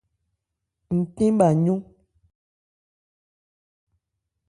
Ncɛ́n bha yɔ́n.